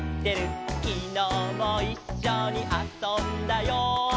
「きのうもいっしょにあそんだよ」